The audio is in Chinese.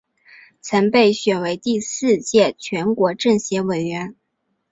曾被选为第四届全国政协委员。